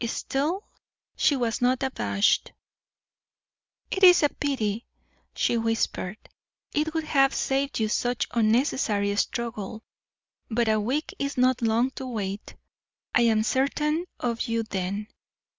Still she was not abashed. "It is a pity," she whispered; "it would have saved you such unnecessary struggle. But a week is not long to wait. I am certain of you then.